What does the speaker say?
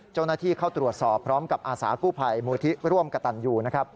เจ้าหน้าที่เข้าตรวจสอบพร้อมกับอาศาคู่ภัยมูธิร่วมกับตันอยู่